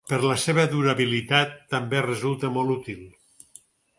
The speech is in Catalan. Per la seva durabilitat, també resulta molt útil.